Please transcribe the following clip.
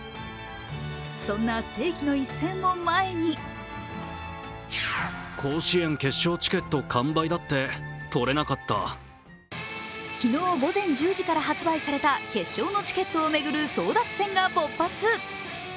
そんな世紀の一戦を前に昨日午前１０時から発売された決勝チケットを巡る争奪戦が勃発。